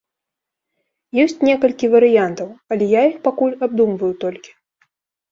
Ёсць некалькі варыянтаў, але я іх пакуль абдумваю толькі.